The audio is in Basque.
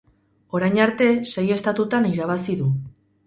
Orain arte, sei estatutan irabazi du.